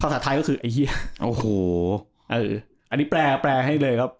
ภาษาไทยก็คือไอเฮียโอ้โหอันนี้แปลแปลให้เลยครับ